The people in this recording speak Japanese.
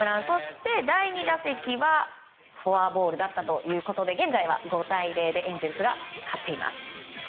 そして第２打席はフォアボールだったということで現在は５対０でエンゼルスが勝っています。